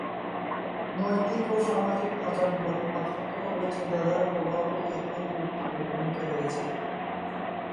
নৈতিক ও সামাজিক আচরণগত পার্থক্য ও চিন্তাধারার প্রভাবও এতে গুরুত্বপূর্ণ ভূমিকা রেখেছে।